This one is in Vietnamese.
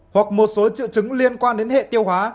hoặc một số triệu chứng liên quan đến hệ tiêu hóa